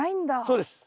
そうです。